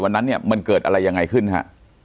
วันนั้นเนี่ยมันเกิดอะไรยังไงขึ้นฮะ